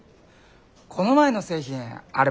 この前の製品あれ